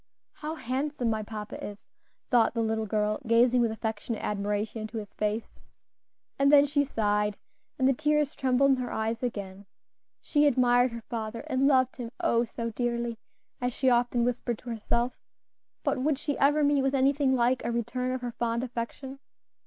"How handsome my papa is!" thought the little girl, gazing with affectionate admiration into his face. And then she sighed, and tears trembled in her eyes again. She admired her father, and loved him, "oh! so dearly," as she often whispered to herself; but would she ever meet with anything like a return of her fond affection?